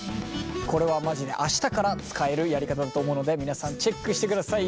これはまじで明日から使えるやり方だと思うので皆さんチェックしてください。